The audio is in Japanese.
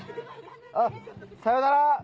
あっさようなら。